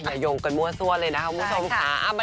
อย่ายงกันมั่วส้วนเลยนะครับคุณผู้ชมค่ะ